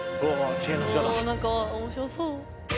お何か面白そう。